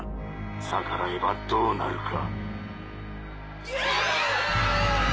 逆らえばどうなるか。